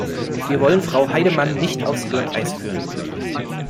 Wir wollen Frau Heidemann nicht aufs Glatteis führen.